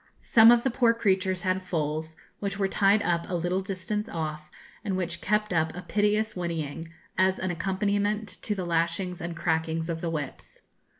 Some of the poor creatures had foals, which were tied up a little distance off, and which kept up a piteous whinnying, as an accompaniment to the lashings and crackings of the whips.